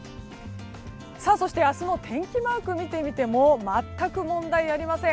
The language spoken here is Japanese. そして、明日の天気マークを見てみても全く問題ありません。